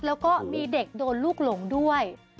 แล้วก็มีเด็กโดนลูกหลงด้วย